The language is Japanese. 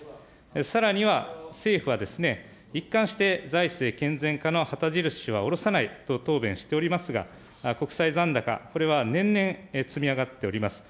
さらには、政府は一環として財政健全化の旗印は下ろさないと答弁しておりますが、国債残高、これは年々積み上がっております。